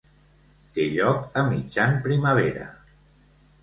Té lloc a mitjan primavera.